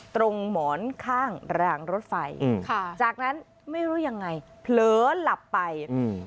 ตรงหมอนข้างรางรถไฟอืมค่ะจากนั้นไม่รู้ยังไงเผลอหลับไปอืม